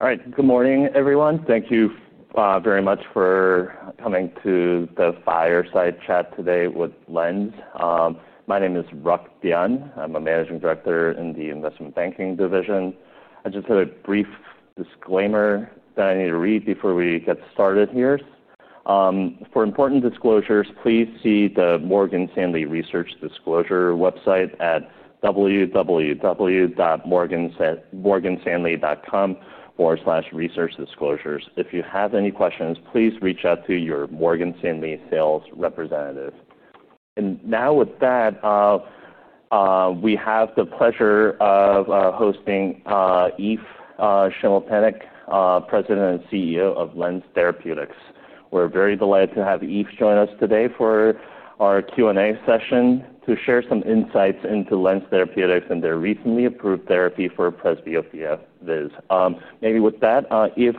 All right. Good morning, everyone. Thank you very much for coming to the fireside chat today with LENZ Therapeutics. My name is Ryuk Byun. I'm a Managing Director in the Investment Banking division. I just have a brief disclaimer that I need to read before we get started here. For important disclosures, please see the Morgan Stanley Research Disclosure website at www.morganstanley.com/researchdisclosures. If you have any questions, please reach out to your Morgan Stanley sales representative. With that, we have the pleasure of hosting Eef Schimmelpennink, President and CEO of LENZ Therapeutics. We're very delighted to have Yves join us today for our Q&A session to share some insights into LENZ Therapeutics and their recently approved therapy for Presbyopia. Maybe with that, Eef,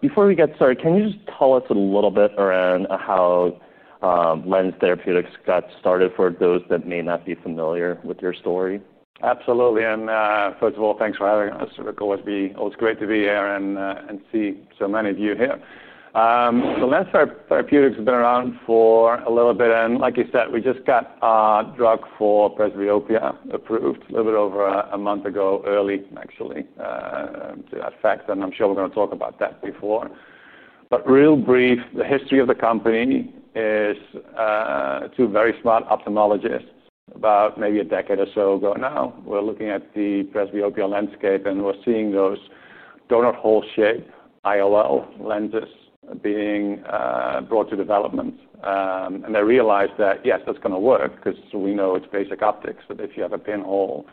before we get started, can you just tell us a little bit around how LENZ Therapeutics got started for those that may not be familiar with your story? Absolutely. First of all, thanks for having us. It is always great to be here and see so many of you here. LENZ Therapeutics has been around for a little bit. Like you said, we just got a drug for presbyopia approved a little bit over a month ago, early, actually, to effect. I'm sure we're going to talk about that before. Real brief, the history of the company is, two very smart ophthalmologists about maybe a decade or so ago now were looking at the Presbyopia landscape, and were seeing those doughnut hole-shaped intraocular lenses being brought to development. They realized that, yes, that's going to work because we know it's basic optics. If you have a pin-hole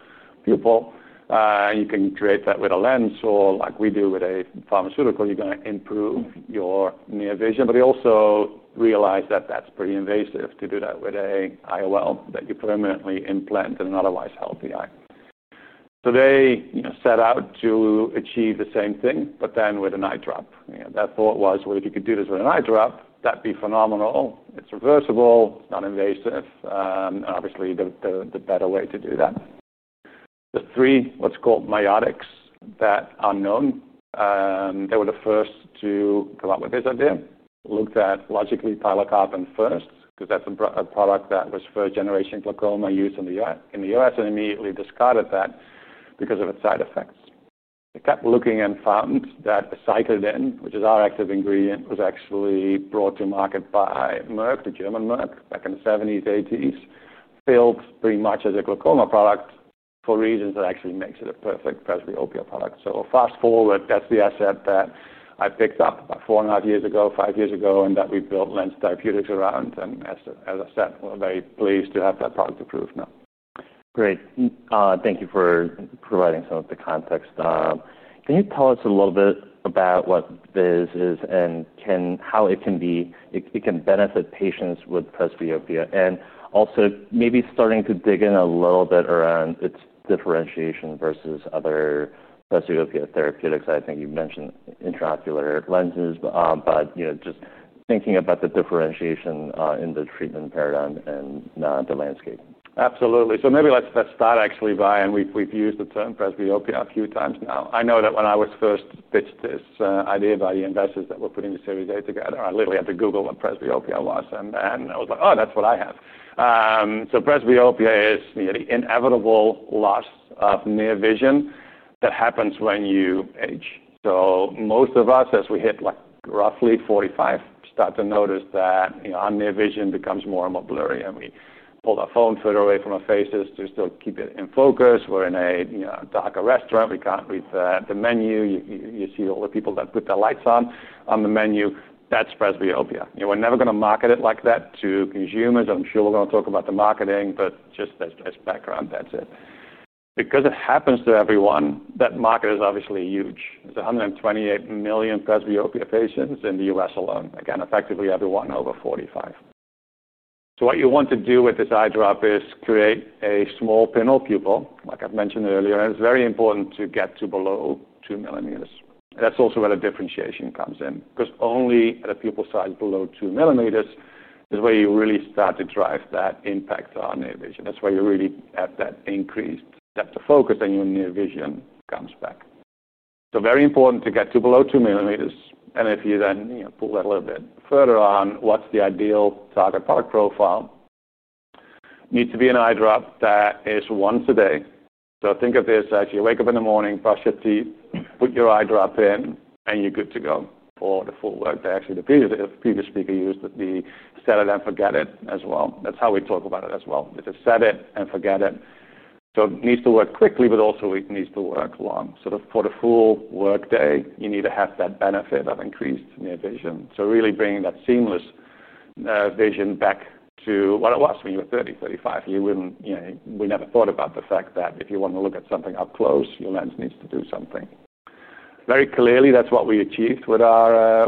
pupil, and you can create that with a lens or like we do with a pharmaceutical, you're going to improve your near vision. He also realized that that's pretty invasive to do that with an intraocular lens that you permanently implant in an otherwise healthy eye. They set out to achieve the same thing, but then with an ophthalmic drop. That thought was, if you could do this with an ophthalmic drop, that'd be phenomenal. It's reversible, non-invasive, and obviously the better way to do that. The three what's called miotics that are known, they were the first to come up with this idea, looked at logically pilocarpine first because that's a product that was for a generation of glaucoma used in the U.S. and immediately discarded that because of its side effects. They kept looking and found that aceclidine, which is our active ingredient, was actually brought to market by Merck KGaA, the German Merck, back in the 1970s, 1980s, built pretty much as a glaucoma product for reasons that actually make it a perfect presbyopia product. Fast forward, that's the asset that I picked up about four and a half years ago, five years ago, and that we built LENZ Therapeutics around. As I said, we're very pleased to have that product approved now. Great. Thank you for providing some of the context. Can you tell us a little bit about what this is and how it can benefit patients with Presbyopia and also maybe starting to dig in a little bit around its differentiation versus other presbyopia therapeutics? I think you mentioned intraocular lenses, but just thinking about the differentiation in the treatment paradigm and the landscape. Absolutely. Maybe let's start actually by, and we've used the term Presbyopia a few times now. I know that when I was first pitched this idea by the investors that were putting the Series A together, I literally had to Google what Presbyopia was. I was like, oh, that's what I have. Presbyopia is the inevitable loss of near vision that happens when you age. Most of us, as we hit like roughly 45, start to notice that our near vision becomes more and more blurry. We pull our phone further away from our faces to still keep it in focus. We're in a dark restaurant. We can't read the menu. You see all the people that put their lights on on the menu. That's presbyopia. We're never going to market it like that to consumers. I'm sure we're going to talk about the marketing, but just as background, that's it. Because it happens to everyone, that market is obviously huge. There's 128 million presbyopia patients in the U.S. alone. Again, effectively everyone over 45. What you want to do with this ophthalmic drop is create a small pin-hole pupil, like I've mentioned earlier. It's very important to get to below two millimeters. That's also where the differentiation comes in because only at a pupil size below two millimeters is where you really start to drive that impact on near vision. That's where you really have that increased depth of focus and your near vision comes back. Very important to get to below two millimeters. If you then pull that a little bit further on, what's the ideal target product profile? Needs to be an ophthalmic drop that is once a day. Think of this as you wake up in the morning, brush your teeth, put your eye drop in, and you're good to go for the full workday. Actually, the previous speaker used the set it and forget it as well. That's how we talk about it as well. It's a set it and forget it. It needs to work quickly, but also it needs to work long. For the full workday, you need to have that benefit of increased near vision. Really bringing that seamless vision back to what it was when you were 30, 35. We never thought about the fact that if you want to look at something up close, your lens needs to do something. Very clearly, that's what we achieved with our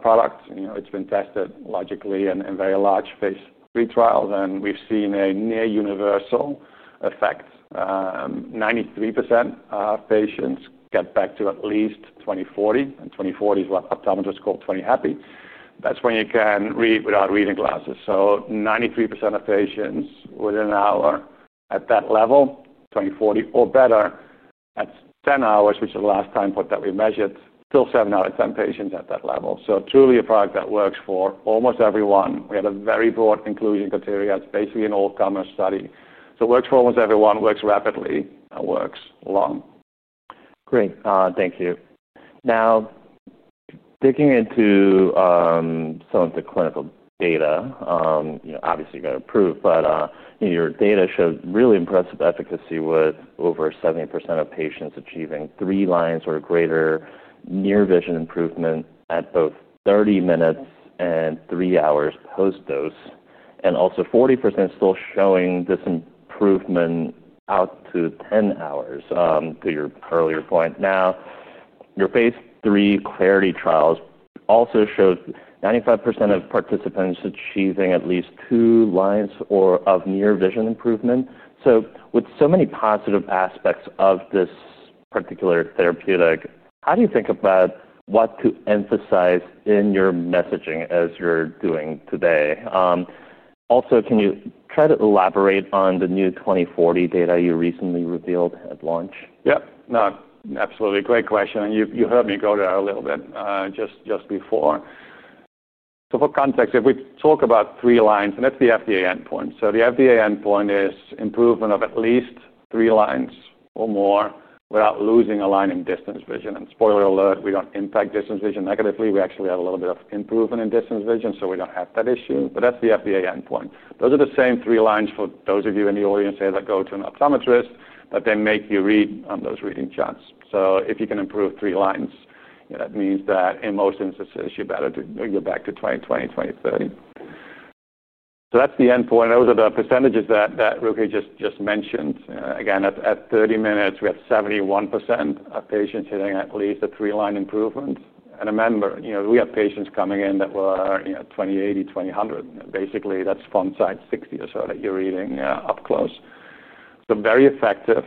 product. It's been tested logically in very large phase III trials, and we've seen a near universal effect. 93% of patients get back to at least 20/40, and 20/40 is what optometrists call 20 happy. That's when you can read without reading glasses. 93% of patients within an hour at that level, 20/40, or better at 10 hours, which is the last time point that we measured, still seven out of 10 patients at that level. Truly a product that works for almost everyone. We had a very broad inclusion criteria. It's basically an all-comers study. It works for almost everyone, works rapidly, and works long. Great. Thank you. Now, digging into some of the clinical data, you know, obviously you got to prove, but your data showed really impressive efficacy with over 70% of patients achieving three lines or greater near vision improvement at both 30 minutes and three hours post-dose, and also 40% still showing this improvement out to 10 hours, to your earlier point. Now, your phase III CLARITY trials also showed 95% of participants achieving at least two lines of near vision improvement. With so many positive aspects of this particular therapeutic, how do you think about what to emphasize in your messaging as you're doing today? Also, can you try to elaborate on the new 20/40 data you recently revealed at launch? Yeah. No, absolutely. Great question. You heard me go there a little bit just before. For context, if we talk about three lines, that's the FDA endpoint. The FDA endpoint is improvement of at least three lines or more without losing a line in distance vision. Spoiler alert, we don't impact distance vision negatively. We actually have a little bit of improvement in distance vision, so we don't have that issue. That's the FDA endpoint. Those are the same three lines for those of you in the audience that go to an optometrist, that make you read on those reading charts. If you can improve three lines, that means that in most instances, you're better to get back to 20/20, 20/30. That's the endpoint. Those are the percentages that Ryuk just mentioned. At 30 minutes, we had 71% of patients hitting at least a three-line improvement. Remember, we had patients coming in that were 20/80, 20/100. Basically, that's from side 60 or so that you're reading up close. Very effective.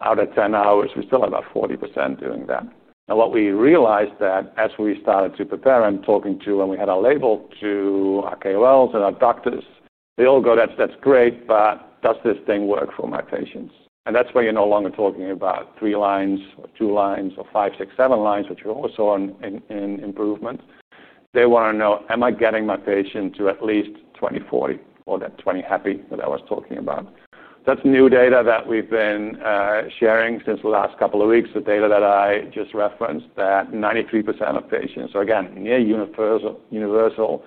Out at 10 hours, we still have about 40% doing that. What we realized as we started to prepare and talking to, and we had our label to our KOLs and our doctors, they all go, that's great, but does this thing work for my patients? That's where you're no longer talking about three lines or two lines or five, six, seven lines, which we all saw in improvement. They want to know, am I getting my patient to at least 20/40 or that 20 happy that I was talking about? That's new data that we've been sharing since the last couple of weeks, the data that I just referenced, that 93% of patients, so again, near universal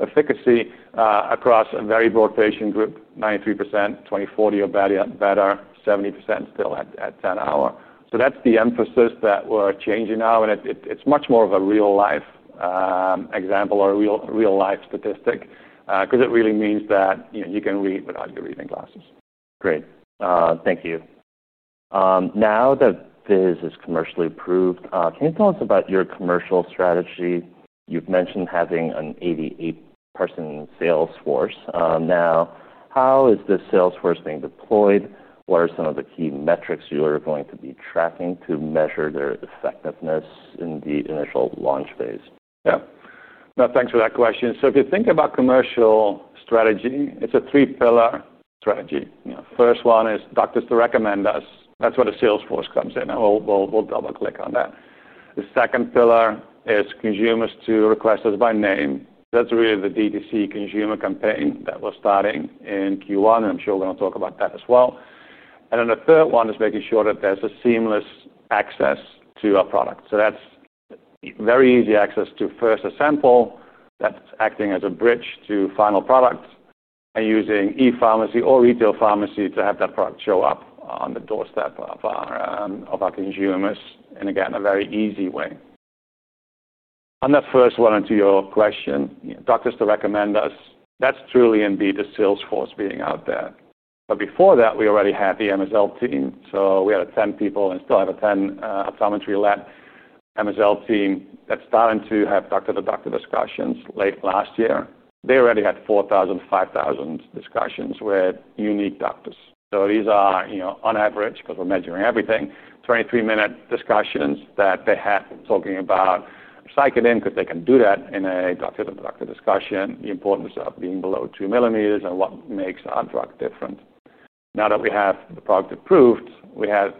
efficacy, across a very broad patient group, 93%, 20/40 or better, 70% still at 10 hours. That's the emphasis that we're changing now. It's much more of a real-life example or a real-life statistic, because it really means that you can read without your reading glasses. Great. Thank you. Now that this is commercially approved, can you tell us about your commercial strategy? You've mentioned having an 88-person sales force. Now, how is this sales force being deployed? What are some of the key metrics you are going to be tracking to measure their effectiveness in the initial launch phase? Yeah. No, thanks for that question. If you think about commercial strategy, it's a three-pillar strategy. The first one is doctors to recommend us. That's where the sales force comes in. We'll double-click on that. The second pillar is consumers to request us by name. That's really the DTC consumer campaign that we're starting in Q1. I'm sure we're going to talk about that as well. The third one is making sure that there's seamless access to our product. That's very easy access to first a sample that's acting as a bridge to final products and using e-pharmacy or retail pharmacy to have that product show up on the doorstep of our consumers in, again, a very easy way. On that first one to your question, doctors to recommend us, that's truly indeed a sales force being out there. Before that, we already had the MSL team. We had a 10-person and still have a 10 optometry-led MSL team that started to have doctor-to-doctor discussions late last year. They already had 4,000, 5,000 discussions with unique doctors. These are, on average, because we're measuring everything, 23-minute discussions that they have talking about psychedelics. They can do that in a doctor-to-doctor discussion, the importance of being below two millimeters and what makes our drug different. Now that we have the product approved, we had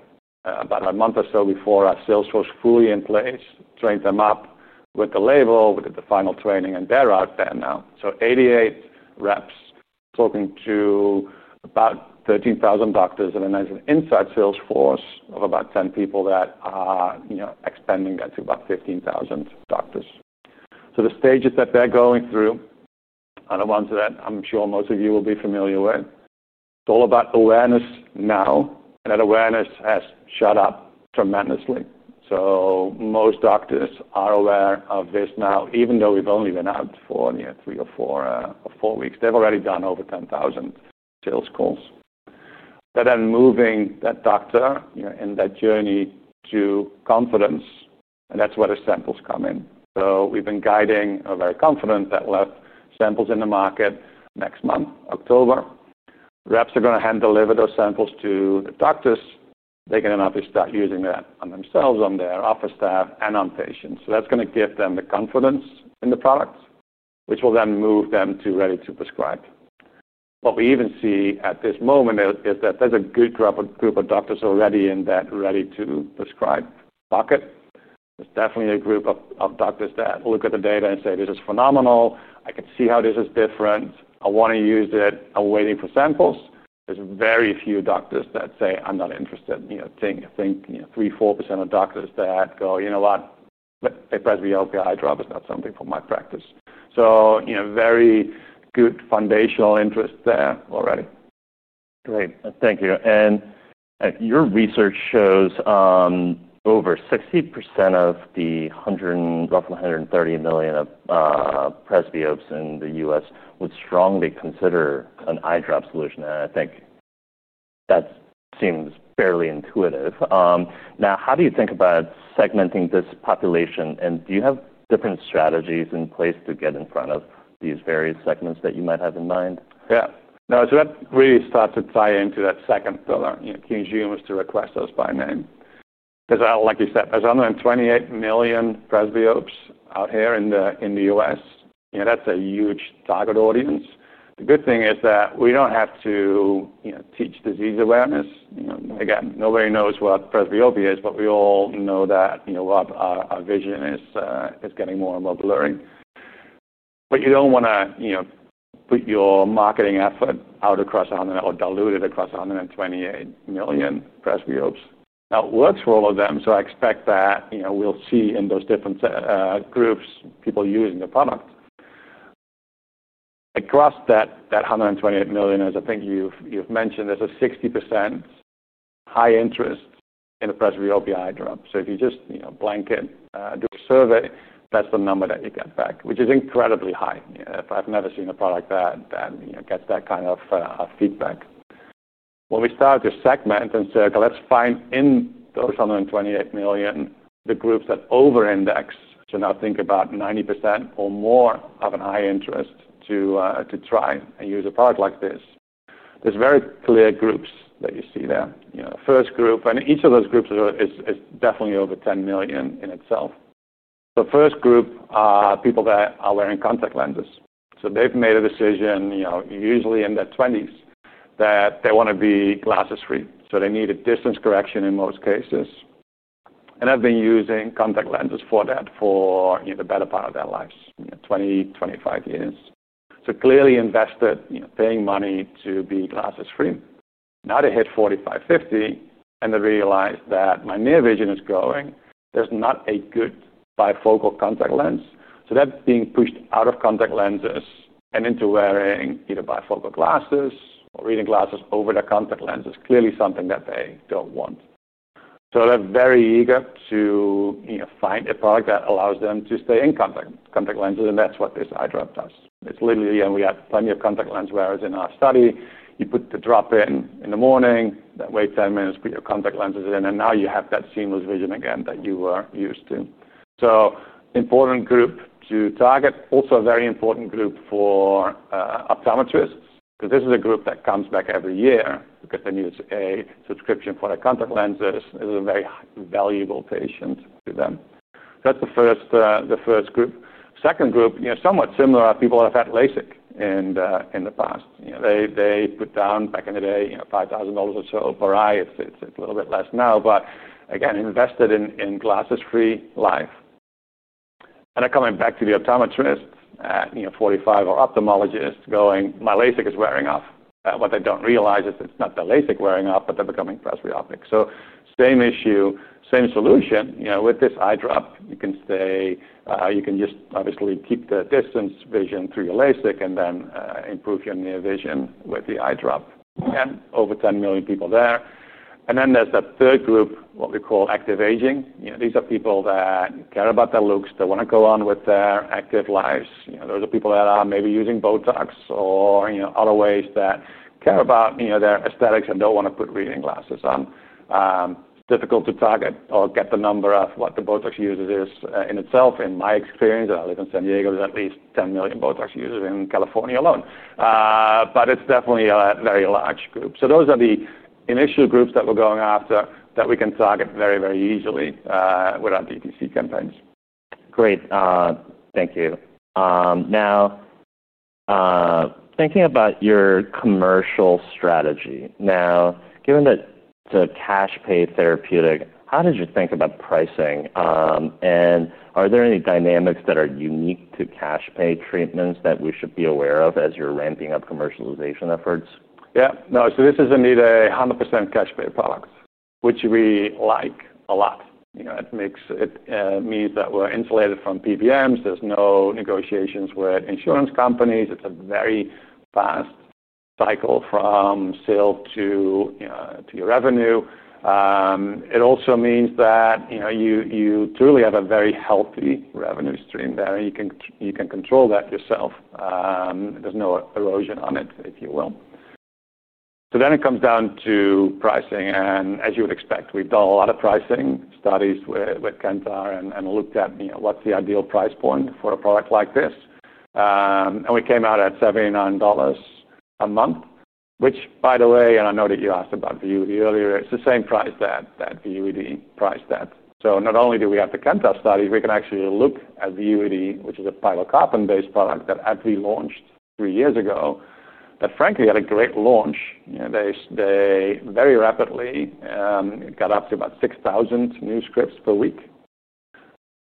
about a month or so before our sales force was fully in place, trained them up with the label, we did the final training, and they're out there now. 88 representatives talking to about 13,000 doctors, and then there's an inside sales force of about 10 people that are expanding that to about 15,000 doctors. The stages that they're going through are the ones that I'm sure most of you will be familiar with. It's all about awareness now, and that awareness has shot up tremendously. Most doctors are aware of this now, even though we've only been out for three or four weeks. They've already done over 10,000 sales calls. They're then moving that doctor in that journey to confidence, and that's where the samples come in. We've been guiding a very confident that we'll have samples in the market next month, October. Reps are going to hand deliver those samples to the doctors. They can then obviously start using that on themselves, on their office staff, and on patients. That's going to give them the confidence in the products, which will then move them to ready to prescribe. What we even see at this moment is that there's a good group of doctors already in that ready to prescribe bucket. There's definitely a group of doctors that look at the data and say, "This is phenomenal. I can see how this is different. I want to use it. I'm waiting for samples." There's very few doctors that say, "I'm not interested." I think 3% or 4% of doctors that go, "You know what? A Presbyopia eye drop is not something for my practice." Very good foundational interest there already. Great. Thank you. Your research shows over 60% of the roughly 130 million presbyopes in the U.S. would strongly consider an ophthalmic drop solution. I think that seems fairly intuitive. Now, how do you think about segmenting this population? Do you have different strategies in place to get in front of these various segments that you might have in mind? Yeah. No, so that really starts to tie into that second pillar, you know, consumers to request us by name. Because, like you said, there's 128 million presbyopes out here in the U.S. That's a huge target audience. The good thing is that we don't have to teach disease awareness. Again, nobody knows what presbyopia is, but we all know that a lot of our vision is getting more and more blurry. You don't want to put your marketing effort out across 100 million or dilute it across 128 million presbyopes. It works for all of them. I expect that we'll see in those different groups people using the product. Across that 128 million, as I think you've mentioned, there's a 60% high interest in the presbyopia eye drop. If you just blanket do a survey, that's the number that you get back, which is incredibly high. I've never seen a product that gets that kind of feedback. When we start to segment and say, "Okay, let's find in those 128 million the groups that over-index," now think about 90% or more of an interest to try and use a product like this. There are very clear groups that you see there. First group, and each of those groups is definitely over 10 million in itself. The first group are people that are wearing contact lenses. They've made a decision, usually in their 20s, that they want to be glasses-free. They need a distance correction in most cases and have been using contact lenses for that for the better part of their lives, 20, 25 years. Clearly invested, paying money to be glasses-free. Now they hit 45, 50, and they realize that my near vision is growing. There's not a good bifocal contact lens. That's being pushed out of contact lenses and into wearing either bifocal glasses or reading glasses over their contact lenses, clearly something that they don't want. They're very eager to find a product that allows them to stay in contact lenses, and that's what this eye drop does. It's literally, and we have plenty of contact lens wearers in our study. You put the drop in in the morning, then wait 10 minutes, put your contact lenses in, and now you have that seamless vision again that you were used to. Important group to target. Also a very important group for optometrists because this is a group that comes back every year because they need a subscription for their contact lenses. This is a very valuable patient to them. That's the first group. Second group, you know, somewhat similar to people that have had LASIK in the past. They put down back in the day, you know, $5,000 or so per eye. It's a little bit less now, but again, invested in glasses-free life. They're coming back to the optometrist at, you know, 45 or ophthalmologists going, "My LASIK is wearing off." What they don't realize is it's not the LASIK wearing off, but they're becoming presbyopic. Same issue, same solution. With this eye drop, you can stay, you can just obviously keep the distance vision through your LASIK and then improve your near vision with the eye drop. Over 10 million people there. Then there's the third group, what we call active aging. These are people that care about their looks. They want to go on with their active lives. Those are people that are maybe using Botox or, you know, other ways that care about, you know, their aesthetics and don't want to put reading glasses on. Difficult to target or get the number of what the Botox users is in itself. In my experience, I live in San Diego, there's at least 10 million Botox users in California alone, but it's definitely a very large group. Those are the initial groups that we're going after that we can target very, very easily, with our DTC campaigns. Great. Thank you. Now, thinking about your commercial strategy, given that it's a cash-pay therapeutic, how did you think about pricing? Are there any dynamics that are unique to cash-pay treatments that we should be aware of as you're ramping up commercialization efforts? Yeah. No, so this is indeed a 100% cash-pay product, which we like a lot. You know, it means that we're insulated from PBMs. There's no negotiations with insurance companies. It's a very fast cycle from sale to, you know, to your revenue. It also means that, you know, you truly have a very healthy revenue stream there, and you can control that yourself. There's no erosion on it, if you will. It comes down to pricing. As you would expect, we've done a lot of pricing studies with Kantar and looked at me, you know, what's the ideal price point for a product like this. We came out at $79 a month, which, by the way, and I know that you asked about VUITY earlier, it's the same price that VUITY priced at. Not only do we have the Kantar study, we can actually look at VUITY, which is a pilocarpine-based product that AbbVie launched three years ago, that frankly had a great launch. They very rapidly got up to about 6,000 new scripts per week.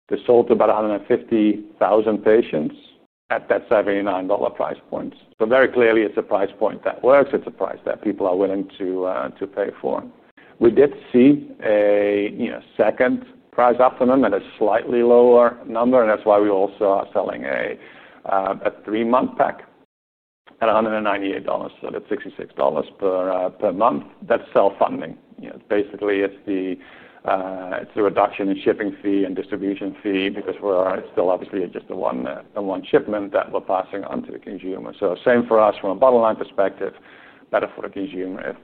They sold to about 150,000 patients at that $79 price point. Very clearly, it's a price point that works. It's a price that people are willing to pay for. We did see a second price after them at a slightly lower number, and that's why we also are selling a three-month pack at $198. That's $66 per month. That's self-funding. Basically, it's a reduction in shipping fee and distribution fee because we're still obviously just a one, a one shipment that we're passing on to the consumer. Same for us from a bottom-line perspective, better for the consumer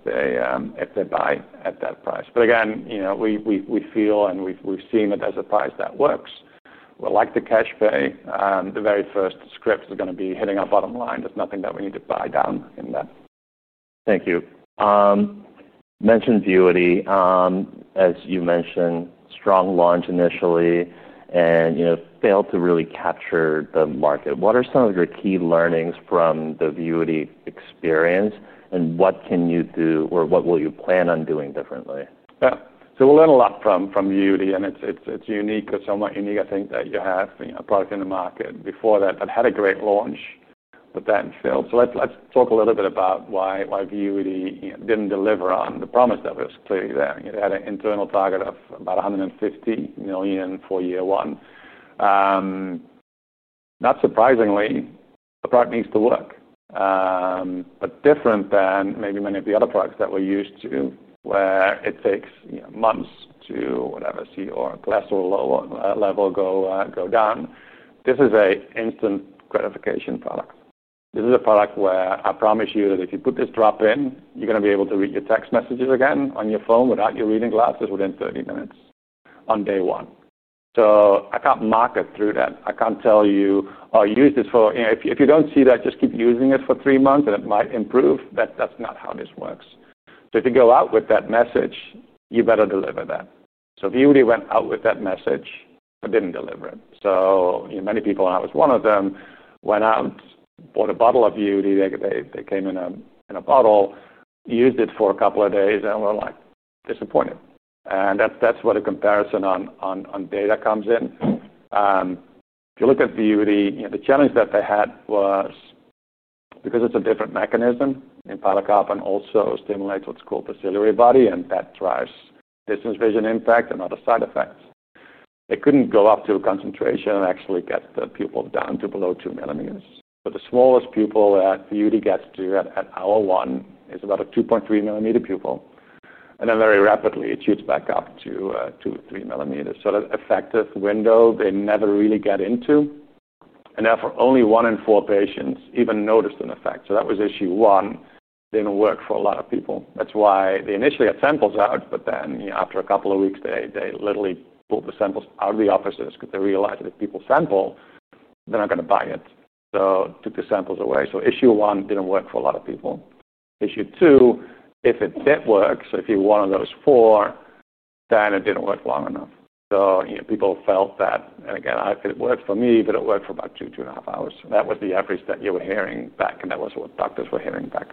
if they buy at that price. Again, you know, we feel and we've seen it as a price that works. We like the cash pay. The very first script is going to be hitting our bottom line. There's nothing that we need to buy down in that. Thank you. You mentioned VUITY, as you mentioned, strong launch initially, and, you know, failed to really capture the market. What are some of your key learnings from the VUITY experience and what can you do or what will you plan on doing differently? Yeah. We'll learn a lot from VUITY and it's unique or somewhat unique, I think, that you have a product in the market. Before that, they've had a great launch, but that failed. Let's talk a little bit about why VUITY didn't deliver on the promise that was clearly there. They had an internal target of about $150 million for year one. Not surprisingly, the product needs to work. Different than maybe many of the other products that we're used to, where it takes months to whatever, see or a class or a lower level go down, this is an instant gratification product. This is a product where I promise you that if you put this drop in, you're going to be able to read your text messages again on your phone without your reading glasses within 30 minutes on day one. I can't market through that. I can't tell you, oh, use this for, you know, if you don't see that, just keep using it for three months and it might improve. That's not how this works. If you go out with that message, you better deliver that. VUITY went out with that message but didn't deliver it. Many people, and I was one of them, went out, bought a bottle of VUITY, they came in a bottle, used it for a couple of days, and were disappointed. That's where the comparison on data comes in. If you look at VUITY, the challenge that they had was because it's a different mechanism, and pilocarpine also stimulates what's called the ciliary body, and that drives distance vision impact and other side effects. They couldn't go up to a concentration and actually get the pupil down to below two millimeters. The smallest pupil that VUITY gets to at hour one is about a 2.3 millimeter pupil, and then very rapidly it shoots back up to three millimeters. That effective window they never really get into, and therefore only one in four patients even noticed an effect. That was issue one. Didn't work for a lot of people. That's why they initially had samples out, but then after a couple of weeks, they literally pulled the samples out of the offices because they realized that if people sample, they're not going to buy it. Took the samples away. Issue one didn't work for a lot of people. Issue two, if it did work, so if you're one of those four, then it didn't work long enough. People felt that, and again, it worked for me, but it worked for about two, two and a half hours. That was the average that you were hearing back, and that was what doctors were hearing back.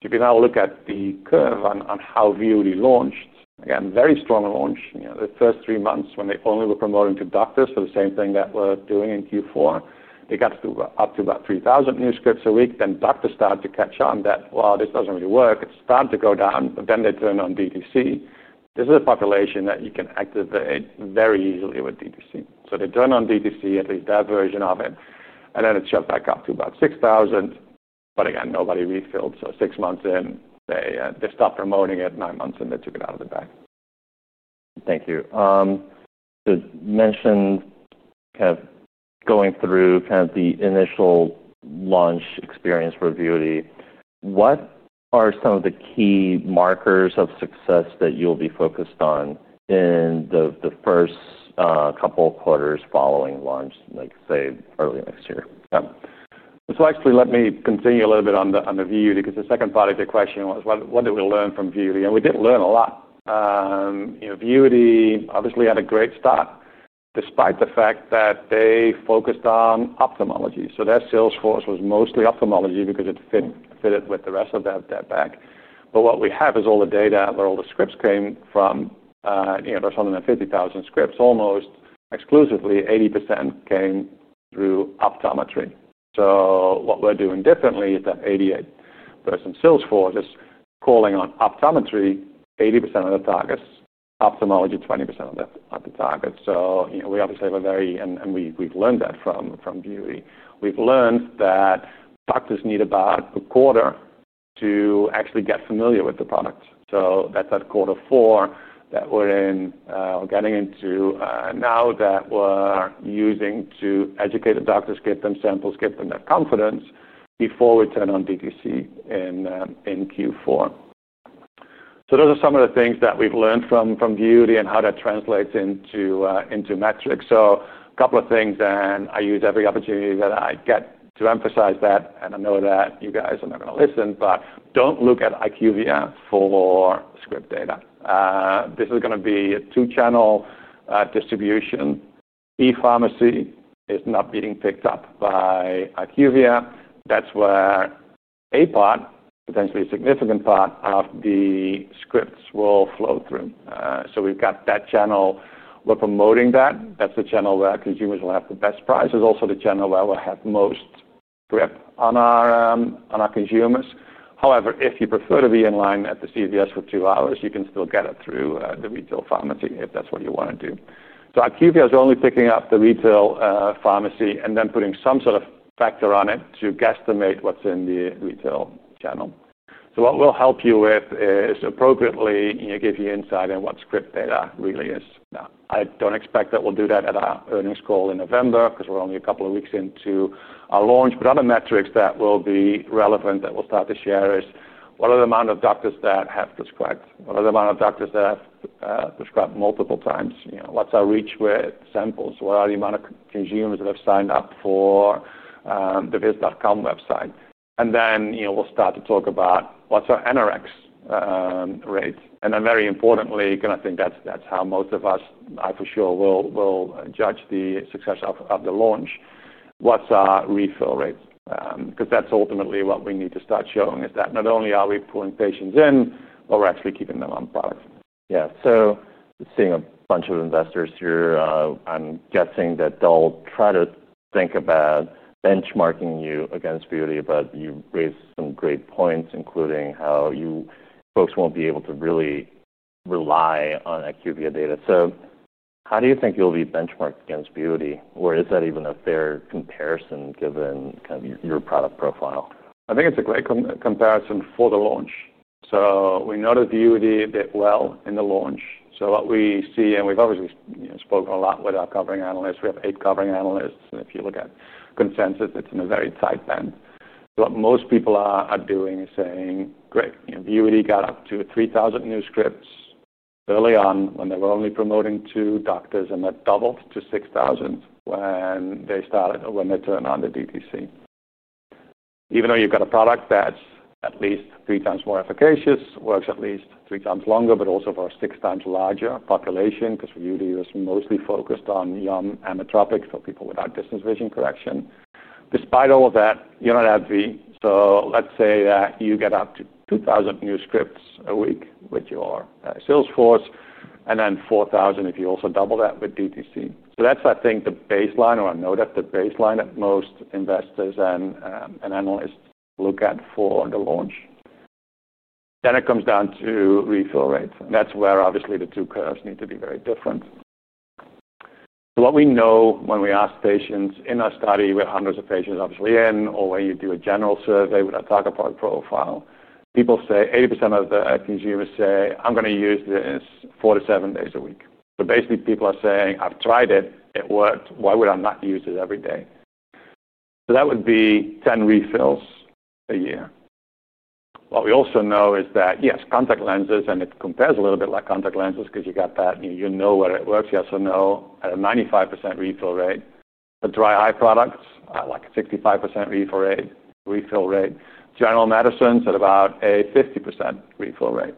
If you can now look at the curve on how VUITY launched, again, very strong launch. The first three months when they only were promoting to doctors, so the same thing that we're doing in Q4, it got up to about 3,000 new scripts a week. Doctors started to catch on that this doesn't really work. It started to go down, then they turned on DTC. This is a population that you can activate very easily with DTC. They turned on DTC, at least their version of it, and then it shot back up to about 6,000. Again, nobody refilled. Six months in, they stopped promoting it. Nine months in, they took it out of the bag. Thank you. You mentioned kind of going through the initial launch experience for VUITY. What are some of the key markers of success that you'll be focused on in the first couple of quarters following launch, like say early next year? Yeah. Actually, let me continue a little bit on the VUITY because the second part of your question was, what did we learn from VUITY? We did learn a lot. VUITY obviously had a great start despite the fact that they focused on ophthalmology. Their sales force was mostly ophthalmology because it fitted with the rest of their bag. What we have is all the data where all the scripts came from. There's 150,000 scripts almost exclusively. 80% came through optometry. What we're doing differently is that 80% of our sales force is calling on optometry, 80% of the targets, ophthalmology, 20% of the targets. We obviously have a very, and we've learned that from VUITY. We've learned that doctors need about a quarter to actually get familiar with the product. That's at quarter four that we're in, we're getting into now that we're using to educate the doctors, get them samples, get them that confidence before we turn on DTC in Q4. Those are some of the things that we've learned from VUITY and how that translates into metrics. A couple of things, and I use every opportunity that I get to emphasize that, and I know that you guys are not going to listen, but don't look at IQVIA for script data. This is going to be a two-channel distribution. E-pharmacy is not being picked up by IQVIA. That's where a part, potentially a significant part of the scripts will flow through. We've got that channel. We're promoting that. That's the channel where consumers will have the best price. It's also the channel where we'll have most grip on our consumers. However, if you prefer to be in line at the CVS for two hours, you can still get it through the retail pharmacy if that's what you want to do. IQVIA is only picking up the retail pharmacy and then putting some sort of factor on it to guesstimate what's in the retail channel. What we'll help you with is appropriately give you insight in what script data really is. I don't expect that we'll do that at our earnings call in November because we're only a couple of weeks into our launch. Other metrics that will be relevant that we'll start to share is what are the amount of doctors that have prescribed? What are the amount of doctors that have prescribed multiple times? What's our reach with samples? What are the amount of consumers that have signed up for the vis.com website? Then we'll start to talk about what's our nrx rate? Very importantly, I think that's how most of us, I for sure, will judge the success of the launch. What's our refill rate? Because that's ultimately what we need to start showing is that not only are we pulling patients in, but we're actually keeping them on product. Yeah. Seeing a bunch of investors here, I'm guessing that they'll try to think about benchmarking you against VUITY, but you raised some great points, including how you folks won't be able to really rely on IQVIA data. How do you think you'll be benchmarked against VUITY? Is that even a fair comparison given kind of your product profile? I think it's a great comparison for the launch. We know that VUITY did a bit well in the launch. What we see, and we've obviously spoken a lot with our covering analysts, we have eight covering analysts, and if you look at consensus, it's in a very tight band. What most people are doing is saying, great, you know, VUITY got up to 3,000 new scripts early on when they were only promoting to doctors, and that doubled to 6,000 when they started, or when they turned on the direct-to-consumer. Even though you've got a product that's at least three times more efficacious, works at least three times longer, but also for a six times larger population because VUITY is mostly focused on young ametropic, so people without distance vision correction. Despite all of that, you're not at the, let's say that you get up to 2,000 new scripts a week with your sales force, and then 4,000 if you also double that with direct-to-consumer. I think that's the baseline, or I know that's the baseline that most investors and analysts look at for the launch. It comes down to refill rate. That's where the two curves need to be very different. We know when we ask patients in our study with hundreds of patients in, or when you do a general survey with our target product profile, people say 80% of the consumers say, "I'm going to use this four-seven days a week." Basically, people are saying, "I've tried it. It worked. Why would I not use it every day?" That would be 10 refills a year. What we also know is that, yes, contact lenses, and it compares a little bit like contact lenses because you know where it works. You also know at a 95% refill rate. The dry eye products are like a 65% refill rate. General medicines at about a 50% refill rate.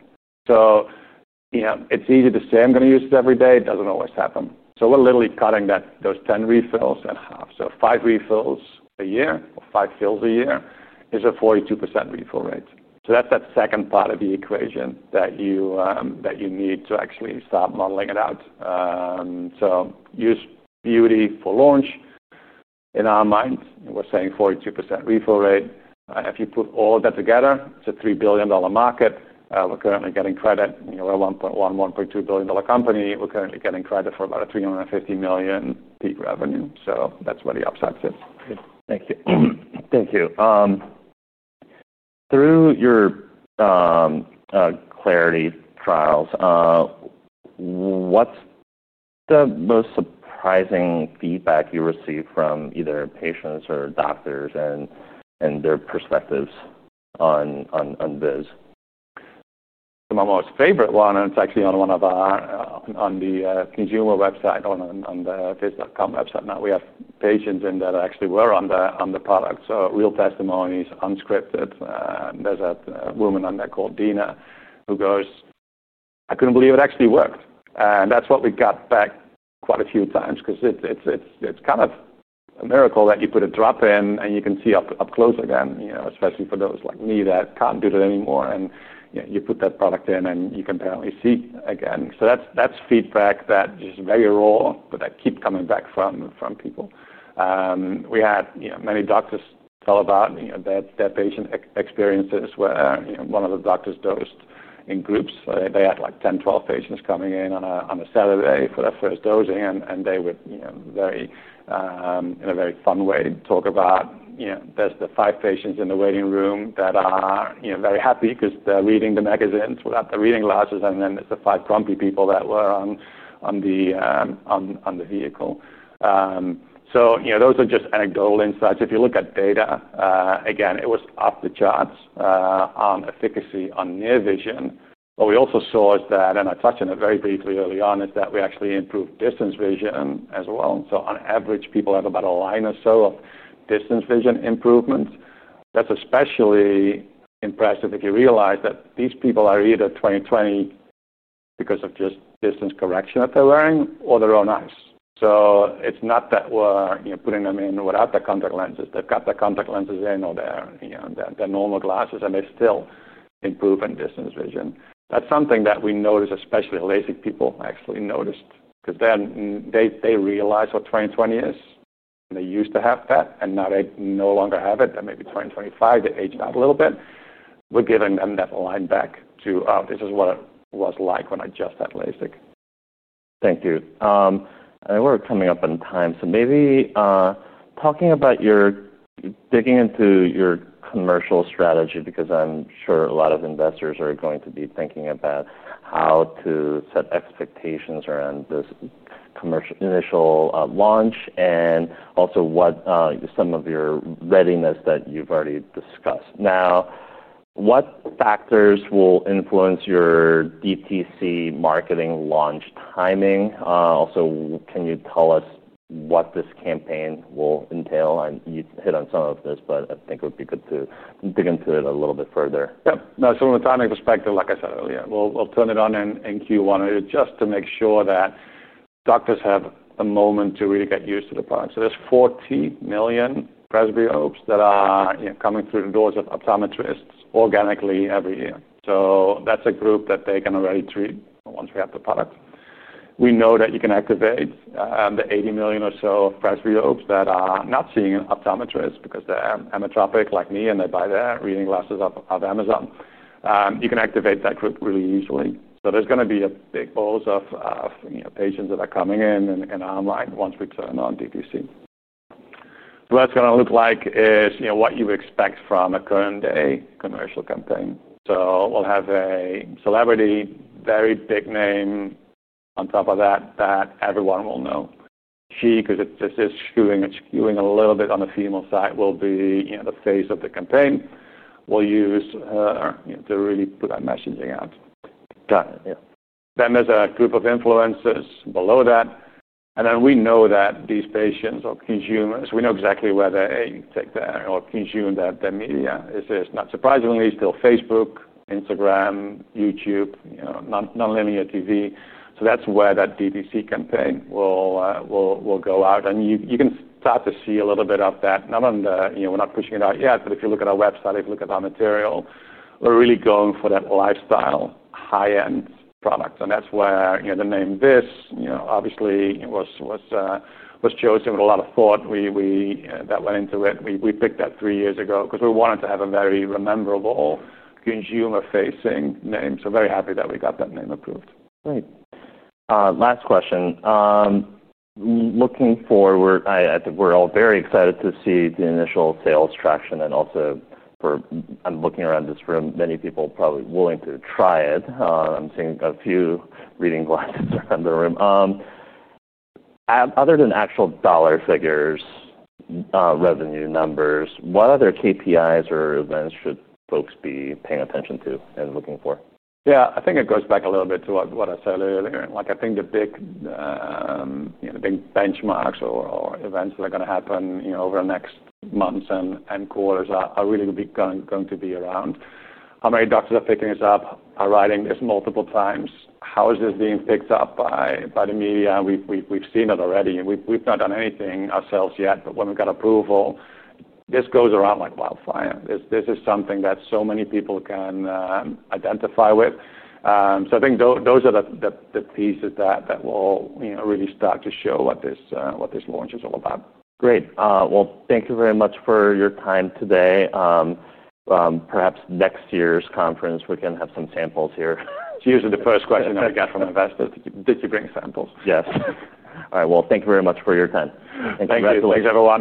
It's easy to say, "I'm going to use it every day." It doesn't always happen. We're literally cutting those 10 refills in half. Five refills a year, or five fills a year, is a 42% refill rate. That's that second part of the equation that you need to actually start modeling it out. Use VUITY for launch. In our minds, we're saying 42% refill rate. If you put all of that together, it's a $3 billion market. We're currently getting credit. We're a $1.1, $1.2 billion company. We're currently getting credit for about a $350 million peak revenue. That's where the upside fits. Thank you. Thank you. Through your CLARITY trials, what's the most surprising feedback you receive from either patients or doctors and their perspectives on VIS? The most favorite one, and it's actually on one of our on the consumer website, on the vis.com website. Now, we have patients in there that actually were on the product. So real testimonies, unscripted. There's a woman on there called Dina who goes, "I couldn't believe it actually worked." That's what we got back quite a few times because it's kind of a miracle that you put a drop in and you can see up close again, you know, especially for those like me that can't do it anymore. You put that product in and you can apparently see again. That's feedback that is very raw, but that keeps coming back from people. We had many doctors tell about their patient experiences where one of the doctors dosed in groups. They had like 10, 12 patients coming in on a Saturday for their first dosing. They would, in a very fun way, talk about there's the five patients in the waiting room that are very happy because they're reading the magazines without the reading glasses. Then it's the five grumpy people that were on the vehicle. Those are just anecdotal insights. If you look at data, again, it was up the charts on efficacy on near vision. What we also saw is that, and I touched on it very briefly early on, we actually improved distance vision as well. On average, people have about a line or so of distance vision improvements. That's especially impressive if you realize that these people are either 20/20 because of just distance correction that they're wearing or their own eyes. It's not that we're putting them in without their contact lenses. They've got their contact lenses in or their normal glasses, and they're still improving distance vision. That's something that we noticed, especially LASIK people actually noticed because then they realized what 20/20 is. They used to have that, and now they no longer have it. That may be 20/25. They aged out a little bit. We're giving them that line back to, oh, this is what it was like when I just had LASIK. Thank you. We're coming up on time. Maybe, talking about your digging into your commercial strategy because I'm sure a lot of investors are going to be thinking about how to set expectations around this commercial initial launch and also what some of your readiness that you've already discussed. What factors will influence your DTC marketing launch timing? Also, can you tell us what this campaign will entail? I mean, you hit on some of this, but I think it would be good to dig into it a little bit further. Yeah. No, from a timing perspective, like I said earlier, we'll turn it on in Q1 just to make sure that doctors have a moment to really get used to the product. There's 14 million presbyopes that are coming through the doors of optometrists organically every year. That's a group that they can already treat once we have the product. We know that you can activate the 80 million or so presbyopes that are not seeing an optometrist because they're ametropic like me and they buy their reading glasses off Amazon. You can activate that group really easily. There's going to be a big ball of patients that are coming in and online once we turn on DTC. What that's going to look like is what you expect from a current-day commercial campaign. We'll have a celebrity, very big name on top of that that everyone will know. She, because it's just skewing a little bit on the female side, will be the face of the campaign. We'll use her to really put our messaging out. Got it. Yeah. There is a group of influencers below that. We know that these patients or consumers, we know exactly where they take their or consume their media. It's not surprisingly still Facebook, Instagram, YouTube, you know, non-linear TV. That's where that DTC campaign will go out. You can start to see a little bit of that. None of the, you know, we're not pushing it out yet, but if you look at our website, if you look at our material, we're really going for that lifestyle high-end product. That's where, you know, the name VIS, you know, obviously was chosen with a lot of thought. That went into it. We picked that three years ago because we wanted to have a very rememberable consumer-facing name. Very happy that we got that name approved. Great. Last question. Looking forward, I think we're all very excited to see the initial sales traction and also for, I'm looking around this room, many people probably willing to try it. I'm seeing a few reading glasses around the room. Other than actual dollar figures, revenue numbers, what other KPIs or events should folks be paying attention to and looking for? Yeah, I think it goes back a little bit to what I said earlier. I think the big, you know, the big benchmarks or events that are going to happen over the next months and quarters are really going to be around how many doctors are picking this up, are writing this multiple times, how is this being picked up by the media. We've seen it already. We've not done anything ourselves yet, but when we've got approval, this goes around like wildfire. This is something that so many people can identify with. I think those are the pieces that will really start to show what this launch is all about. Great. Thank you very much for your time today. Perhaps next year's conference, we can have some samples here. Usually the first question that I get from investors is, did you bring samples? Yes. All right. Thank you very much for your time. Thank you. Thanks very much.